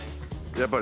やっぱり？